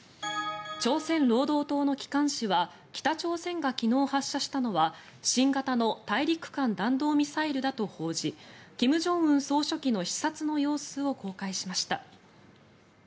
朝鮮労働党の機関紙は北朝鮮が昨日発射したのは新型の大陸間弾道ミサイルだと報じ金正恩総書記の視察の様子を公開しました。